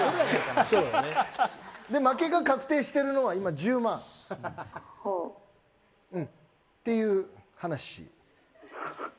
負けが確定しているのは今、１０万。っていう話。